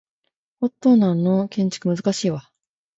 フォトナの建築難しいわ